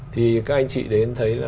thì các anh chị đến thấy là